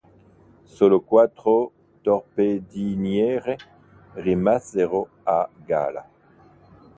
Solo quattro torpediniere rimasero a galla.